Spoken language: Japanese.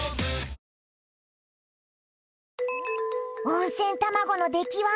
温泉卵の出来は？